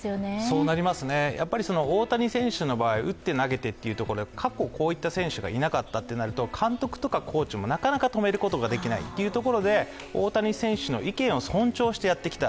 そうなりますね、やっぱり大谷選手の場合、打って投げて過去、こういった選手がいなかったとなると監督とかコーチもなかなか止めることができないっていうところで、大谷選手の意見を尊重してやってきた。